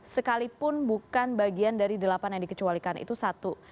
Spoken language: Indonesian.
sekalipun bukan bagian dari delapan yang dikecualikan itu satu